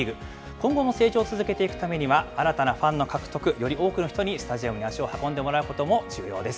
今後も成長を続けていくためには、新たなファンの獲得、より多くの人にスタジアムに足を運んでもらうことも重要です。